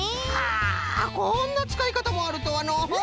あこんなつかいかたもあるとはのう。